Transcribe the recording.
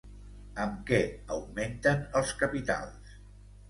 Amb què augmenten els capitals?